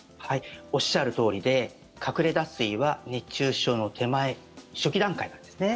おっしゃるとおりで隠れ脱水は熱中症の手前初期段階なんですね。